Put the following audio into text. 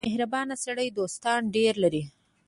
• مهربان سړی دوستان ډېر لري.